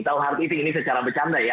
tahu heart eating ini secara bercanda ya